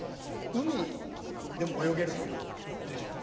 海でも泳げると思うでしょ？